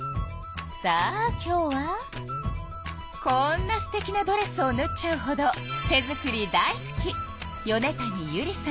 さあ今日はこんなすてきなドレスをぬっちゃうほど手作り大好き。